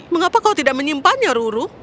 mengapa kau tidak menyimpannya ruru